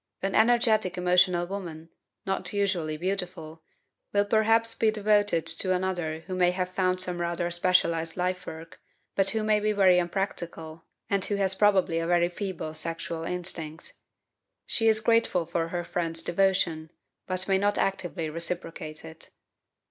An energetic emotional woman, not usually beautiful, will perhaps be devoted to another who may have found some rather specialized lifework, but who may be very unpractical, and who has probably a very feeble sexual instinct; she is grateful for her friends's devotion, but may not actively reciprocate it.